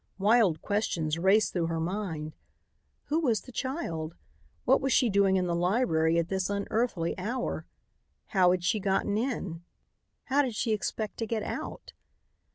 Wild questions raced through her mind: Who was the child? What was she doing in the library at this unearthly hour? How had she gotten in? How did she expect to get out?